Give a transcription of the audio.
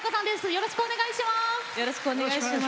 よろしくお願いします！